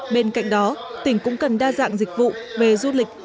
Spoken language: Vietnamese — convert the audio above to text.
bên cạnh đó tỉnh cũng cần đa dạng dịch vụ về du lịch